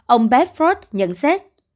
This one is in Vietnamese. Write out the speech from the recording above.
ông bedford nhận xét